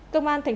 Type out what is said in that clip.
công an tp hcm